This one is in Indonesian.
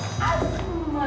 mas aku marah